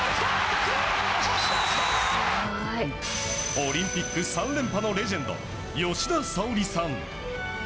オリンピック３連覇のレジェンド、吉田沙保里さん。